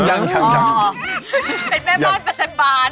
ยังเป็นแม่บ้านประจัดบาล